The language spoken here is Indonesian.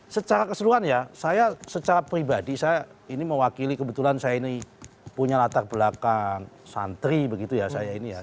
secara keseluruhan ya saya secara pribadi saya ini mewakili kebetulan saya ini punya latar belakang santri begitu ya saya ini ya